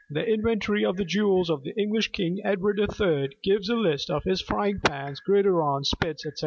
The inventory of the jewels of the English King Edward III. gives a list of his frying pans, gridirons, spits, etc.